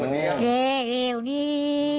รักเล่านี้